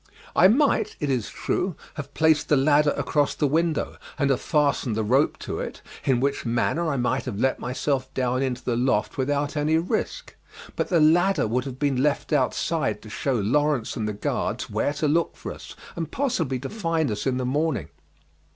I might, it is true, have placed the ladder across the window, and have fastened the rope to it, in which manner I might have let myself down into the loft without any risk; but the ladder would have been left outside to shew Lawrence and the guards where to look for us and possibly to find us in the morning.